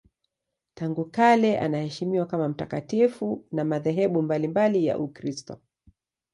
Tangu kale anaheshimiwa kama mtakatifu na madhehebu mbalimbali ya Ukristo.